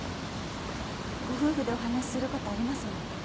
ご夫婦でお話しすることありますもんね。